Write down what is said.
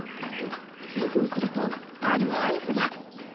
数分するとある合図が。